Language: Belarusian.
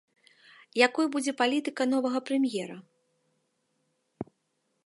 Якой будзе палітыка новага прэм'ера?